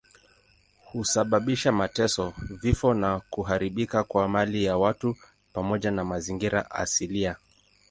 Husababisha mateso, vifo na kuharibika kwa mali ya watu pamoja na mazingira asilia.